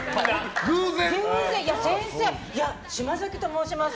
先生、島崎と申します！